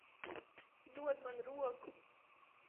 Dod man roku.